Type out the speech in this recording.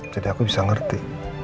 jadi aku bisa ngerti